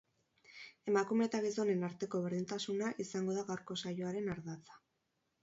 Emakume eta gizonen arteko berdintasuna izango da gaurko saioaren ardatza.